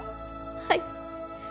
はい。